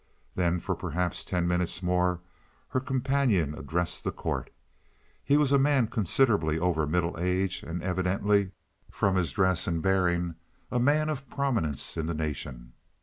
Then for perhaps ten minutes more her companion addressed the court. He was a man considerably over middle age, and evidently, from his dress and bearing, a man of prominence in the nation.